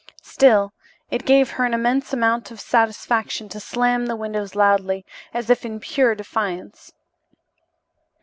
Still, it gave her an immense amount of satisfaction to slam the windows loudly, as if in pure defiance.